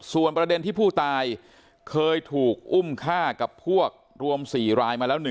ส่วนประเด็นที่ผู้ตายเคยถูกอุ้มฆ่ากับพวกรวม๔รายมาแล้ว